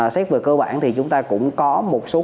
xét về cơ bản thì chúng ta cũng có một số